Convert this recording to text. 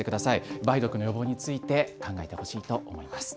梅毒の予防について考えてほしいと思います。